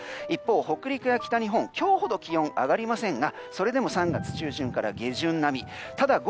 一方、北陸や北日本は今日ほど気温は上がりませんがそれでも３月上旬から中旬並み。